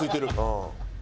うん。